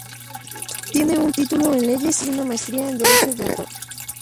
Tiene un título en Leyes y una Maestría en Derechos de Autor.